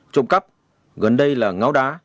trộm cắp gần đây là ngáo đá